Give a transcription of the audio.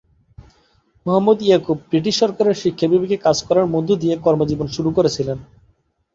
Muhammad Yakub British সরকারের শিক্ষা বিভাগে কাজ করার মধ্য দিয়ে কর্মজীবন শুরু করেছিলেন।